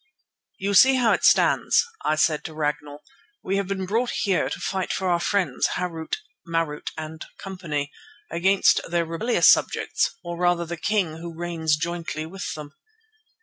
"You see how it stands," I said to Ragnall. "We have been brought here to fight for our friends, Harût, Marût and Co., against their rebellious subjects, or rather the king who reigns jointly with them."